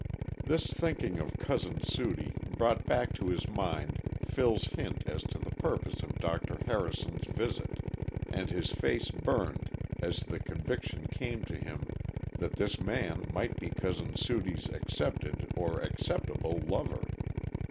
This thinking of Cousin Sudie brought back to his mind Phil's hint as to the purpose of Dr. Harrison's visit, and his face burned as the conviction came to him that this man might be Cousin Sudie's accepted or acceptable lover.